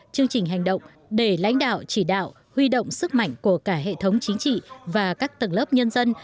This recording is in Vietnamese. chương trình hành động để lãnh đạo chỉ đạo huy động sức mạnh của cả hệ thống chính trị và các tầng lớp nhân dân